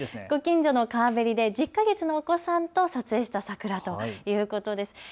ご近所の川べりで１０か月のお子さんと撮影した桜ということです。